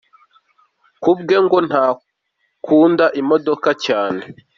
Ku bwe ngo nta kunda imodoka cyane.